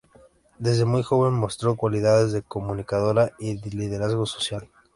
Desde muy joven mostró cualidades de comunicador y de liderazgo social.